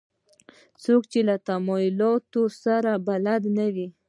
څوک چې له تمایلاتو سره بلد نه وي.